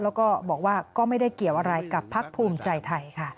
แล้วก็บอกว่าก็ไม่ได้เกี่ยวอะไรกับพักภูมิใจไทยค่ะ